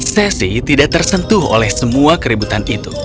sesi tidak tersentuh oleh semua keributan itu